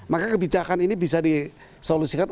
maka kebijakan ini bisa disolusikan